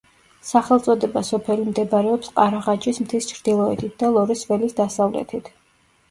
სახელწოდება სოფელი მდებარეობს ყარაღაჯის მთის ჩრდილოეთით და ლორეს ველის დასავლეთით.